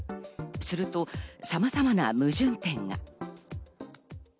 すると、さまざまな矛盾点が。